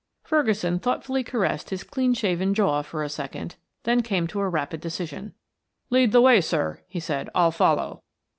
Ferguson thoughtfully caressed his clean shaven jaw for a second, then came to a rapid decision. "Lead the way, sir," he said. "I'll follow."